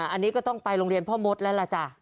อันนี้ก็ต้องไปโรงเรียนพ่อมดแล้วล่ะจ้ะ